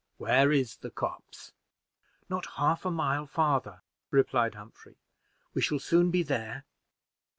Where is the copse?" "Not half a mile farther," replied Humphrey. "We shall soon be there."